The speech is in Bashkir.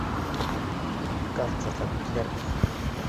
Карцерға бикләрбеҙ!